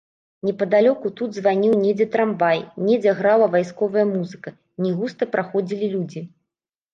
Непадалёку тут званіў недзе трамвай, недзе грала вайсковая музыка, не густа праходзілі людзі.